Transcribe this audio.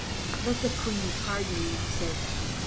"Let the Queen pardon me," he said.